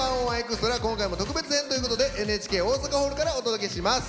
今回も特別編ということでＮＨＫ大阪ホールからお届けします。